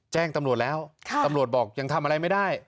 แจ้งตำรวจแล้วตำรวจบอกยังทำอะไรไม่ได้